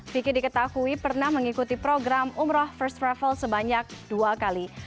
vicky diketahui pernah mengikuti program umroh first travel sebanyak dua kali